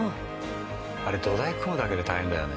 あれ土台組むだけで大変だよね。